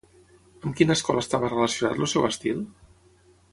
Amb quina escola estava relacionat el seu estil?